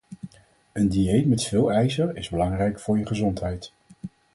Een dieet met veel Ijzer is belangrijk voor je gezondheid.